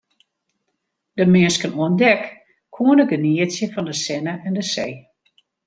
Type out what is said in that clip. De minsken oan dek koene genietsje fan de sinne en de see.